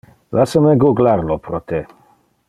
Lassa me googlar lo pro te.